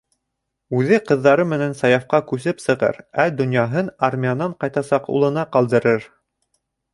Үҙе ҡыҙҙары менән Саяфҡа күсеп сығыр, ә донъяһын армиянан ҡайтасаҡ улына ҡалдырыр.